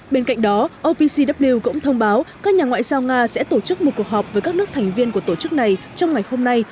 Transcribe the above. bên cạnh đó opcw cũng thông báo các nhà ngoại giao nga sẽ tổ chức một cuộc họp với các nước thành viên của tổ chức này trong ngày hôm nay